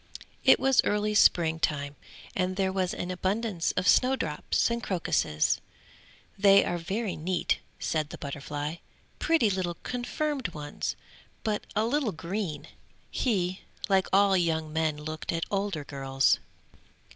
It was early spring time, and there was an abundance of snow drops and crocuses. "They are very neat," said the butterfly, "pretty little confirmed ones, but a little green!" He, like all young men looked at older girls.